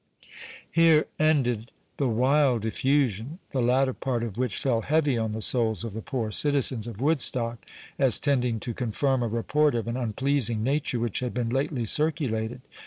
Here ended the wild effusion, the latter part of which fell heavy on the souls of the poor citizens of Woodstock, as tending to confirm a report of an unpleasing nature which had been lately circulated.